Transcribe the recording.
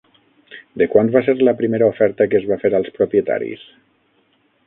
De quant va ser la primera oferta que es va fer als propietaris?